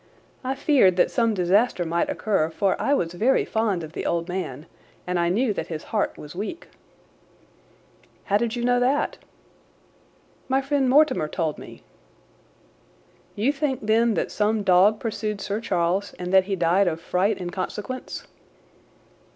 I feared that some disaster might occur, for I was very fond of the old man, and I knew that his heart was weak." "How did you know that?" "My friend Mortimer told me." "You think, then, that some dog pursued Sir Charles, and that he died of fright in consequence?"